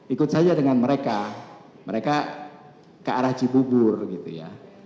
ikut saja dengan mereka mereka ke arah cibubur gitu ya